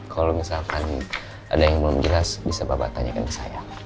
kalau misalkan ada yang belum jelas bisa bapak tanyakan ke saya